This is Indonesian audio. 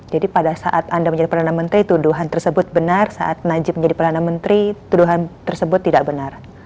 jadi pada saat anda menjadi perdana menteri tuduhan tersebut benar saat najib menjadi perdana menteri tuduhan tersebut tidak benar